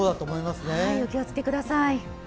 お気を付けください。